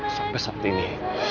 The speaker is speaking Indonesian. sampai saat ini